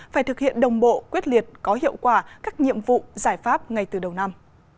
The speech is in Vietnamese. phải thực hiện đồng bộ quyết liệt có hiệu quả các nhiệm vụ giải pháp ngay từ đầu năm